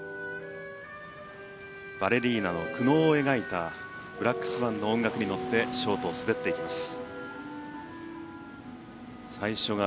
バレリーナの苦悩を描いた「ブラック・スワン」の音楽に乗ってショートを滑っていきます。